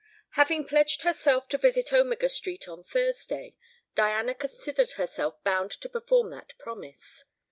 Having pledged herself to visit Omega Street on Thursday, Diana considered herself bound to perform that promise.